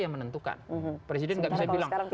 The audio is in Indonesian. yang menentukan presiden nggak bisa bilang